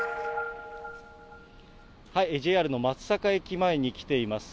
ＪＲの松阪駅前に来ています。